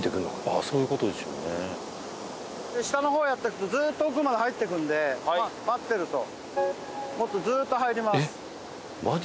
下のほうへやってくとずっと奥まで入ってくんではいまあ待ってるともっとずっと入りますマジ？